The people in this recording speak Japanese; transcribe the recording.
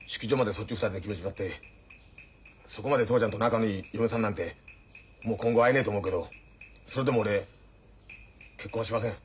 そっち２人で決めちまってそこまで父ちゃんと仲のいい嫁さんなんてもう今後会えねえと思うけどそれでも俺結婚しません。